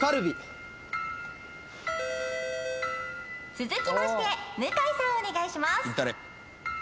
続きまして向井さんお願いします。